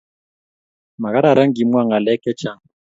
Ma kararan kimwa ng'alek che chang